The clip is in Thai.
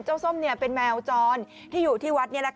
ส้มเป็นแมวจรที่อยู่ที่วัด